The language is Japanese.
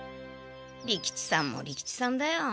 利吉さんも利吉さんだよ。